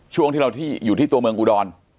ช่วงที่เราอยู่ที่ตัวเมืองอุดร